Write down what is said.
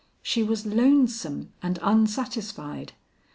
She was lonesome and unsatisfied.